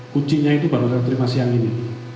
kuncinya itu baru saya terima siang ini